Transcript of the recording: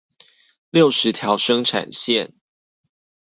六十條生產線